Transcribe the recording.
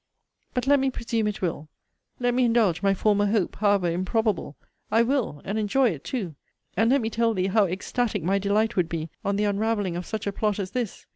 But let me presume it will. Let me indulge my former hope, however improbable I will; and enjoy it too. And let me tell thee how ecstatic my delight would be on the unravelling of such a plot as this!